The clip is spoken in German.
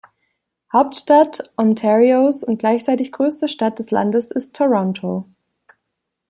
Hauptstadt Ontarios und gleichzeitig größte Stadt des Landes ist Toronto.